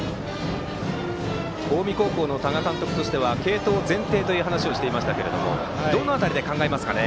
近江高校の多賀監督は継投前提と話していましたがどの辺りで考えますかね。